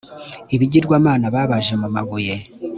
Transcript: ibigirwamana babaje mu mabuye